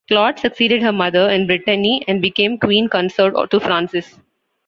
Claude succeeded her mother in Brittany and became queen consort to Francis.